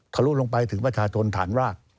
ลุลงไปถึงประชาชนฐานราก